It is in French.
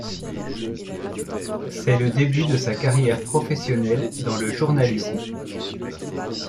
C'est le début de sa carrière professionnelle dans le journalisme.